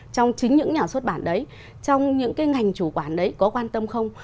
trong chính những nhà xuất bản đấy trong những cái ngành chủ quản đấy có quan tâm không